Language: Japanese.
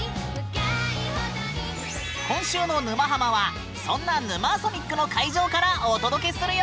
今週の「沼ハマ」はそんな「ヌマーソニック」の会場からお届けするよ！